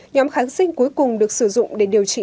nhóm kháng sinh cuối cùng được sử dụng để điều trị